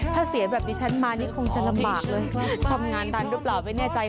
ถ้าเสียแบบนี้ฉันมานี่คงจะลำบากเลยทำงานทันหรือเปล่าไม่แน่ใจ